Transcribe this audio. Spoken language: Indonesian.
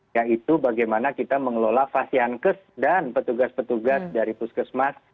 yaitu bagaimana kita mengelola fasiankes dan petugas petugas dari puskesmas